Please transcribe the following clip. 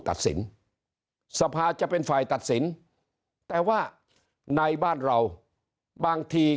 ตัดสินสภาจะเป็นฝ่ายตัดสินแต่ว่าในบ้านเราบางที